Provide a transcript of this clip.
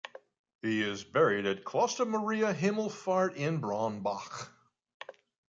He is buried at Kloster Maria Himmelfahrt in Bronnbach.